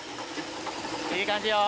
いい感じよ。